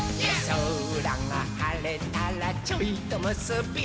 「そらがはれたらちょいとむすび」